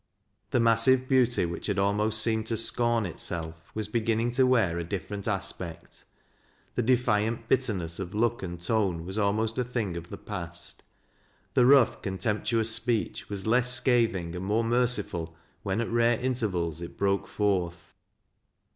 The massive beauty which had almost seemed to scorn itsolf was begin iiing to wear a different aspect; the defiant bitterness oi look and tone was almost a thing of the past ; the rough, contemptuous speech was less scathir.g and more merciful when at rare intervals it broke forth.